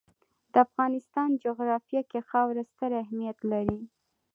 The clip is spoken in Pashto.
د افغانستان جغرافیه کې خاوره ستر اهمیت لري.